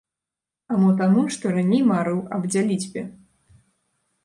А мо таму, што раней марыў аб дзяліцьбе.